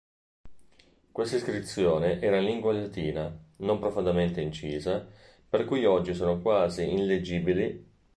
Quest'inscrizione era in lingua latina, non profondamente incisa, per cui oggi sono quasi illeggibili.